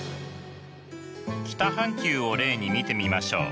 北半球を例に見てみましょう。